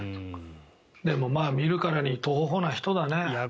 でも、見るからにトホホな人だね。